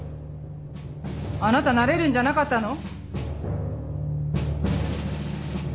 あなたなれるんじゃなかったの？